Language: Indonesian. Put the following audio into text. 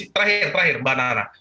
terakhir terakhir mbak nana